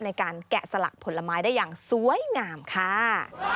แกะสลักผลไม้ได้อย่างสวยงามค่ะ